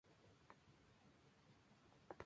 Es un endemismo de Sudáfrica.